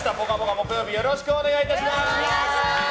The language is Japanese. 木曜日よろしくお願いいたします！